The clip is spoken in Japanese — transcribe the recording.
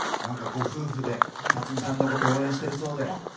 ご夫婦で辰巳さんのこと応援しているそうで。